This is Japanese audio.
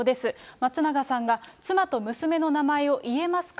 松永さんが、妻と娘の名前を言えますか？